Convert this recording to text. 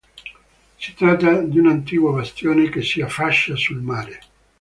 Si tratta di un antico bastione che si affaccia sul mare.